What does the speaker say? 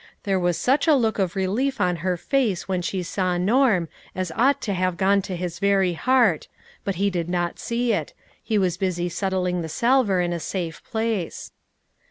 There was such a look of relief on her face when she saw Norm as ought to have gone to his very heart ; but he did not see it ; he was busy settling the salver in a safe place.